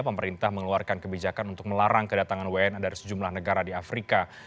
pemerintah mengeluarkan kebijakan untuk melarang kedatangan wna dari sejumlah negara di afrika